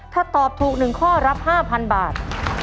ถ้าตอบถูก๑ข้อรับ๕๐๐๐บาท